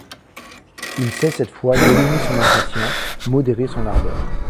Il sait cette fois dominer son impatience, modérer son ardeur.